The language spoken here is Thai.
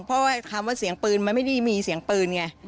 เพราะว่าคำว่าเสียงปืนมันไม่ได้มีเสียงปืนไง